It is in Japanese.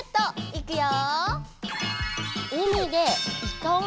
いくよ！